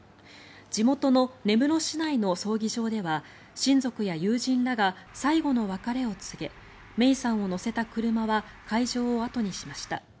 地元の根室市内の葬儀場では親族や友人らが最後の別れを告げ芽生さんを乗せた車は会場を後にしました。